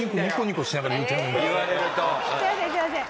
すいませんすいません。